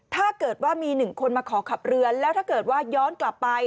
ถ้าเกิดว่ามีหนึ่งคนมาขอขับเรือแล้วถ้าเกิดว่าย้อนกลับไป